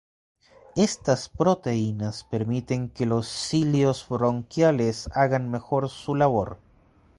Estas proteínas permiten que los cilios bronquiales hagan mejor su labor.